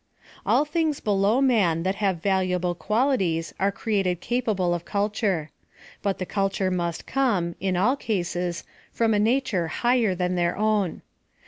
All things below man that have valuable quali ties are created capable of culture ; but the culture must come, in aL 2ases, from a nature higher than their own.